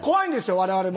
我々も。